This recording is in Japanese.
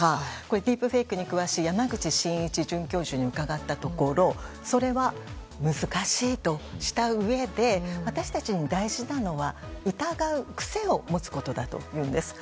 ディープフェイクに詳しい山口真一准教授に伺ったところそれは難しいとしたうえで私たちに大事なのは疑う癖を持つことだというんです。